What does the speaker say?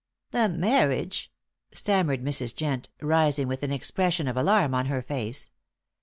"The marriage!" stammered Mrs. Jent, rising with an expression of alarm on her face.